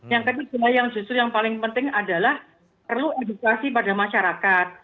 yang ketiga yang justru yang paling penting adalah perlu edukasi pada masyarakat